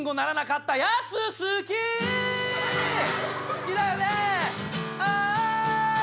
好きだよね。